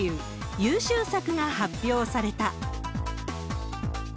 優秀作が発表された。